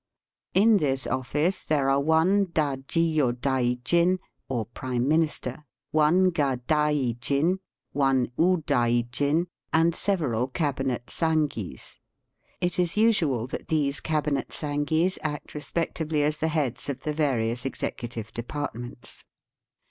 In this office there are one Dajio daijin or prime minister, one Gadaijin, one Udaijin, and several Cabinet Sangis. It is usual that these Cabinet Sangis act respectively as the heads of the various executive departments.